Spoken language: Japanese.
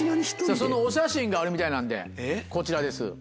そのお写真があるみたいなんでこちらです。